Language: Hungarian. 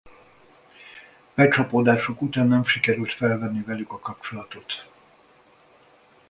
Becsapódásuk után nem sikerült felvenni velük a kapcsolatot.